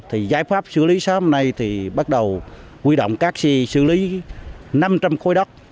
thì giải pháp xử lý sớm hôm nay thì bắt đầu quy động các xe xử lý năm trăm linh khối đất